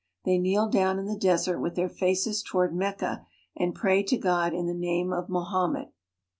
They kneel down L the desert with their faces toward Mecca, and pray > God in the name of Mohammed.